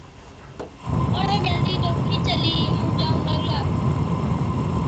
اُڻهين جلدِي ٽوڪرِي چلِي ائُون جائُون لاگلا۔